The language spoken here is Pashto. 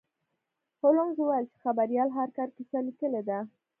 هولمز وویل چې خبریال هارکر کیسه لیکلې ده.